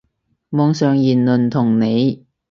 網上言論同理